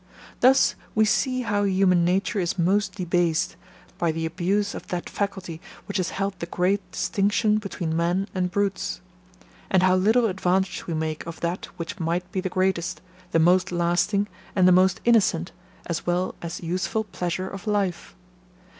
Thus we see how human nature is most debased, by the abuse of that faculty, which is held the great distinction between men and brutes; and how little advantage we make of that which might be the greatest, the most lasting, and the most innocent, as well as useful pleasure of life.